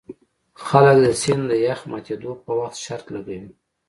خلک د سیند د یخ ماتیدو په وخت شرط لګوي